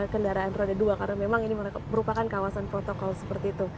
karena memang ini merupakan kawasan protokol seperti itu